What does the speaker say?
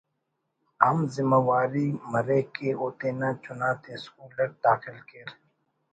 ہم زمواری مریک کہ او تینا چنا تے اسکول اٹ داخل کیر